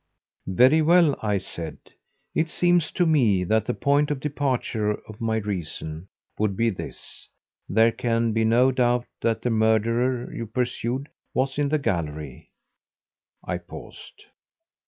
"Very well," I said. "It seems to me that the point of departure of my reason would be this there can be no doubt that the murderer you pursued was in the gallery." I paused.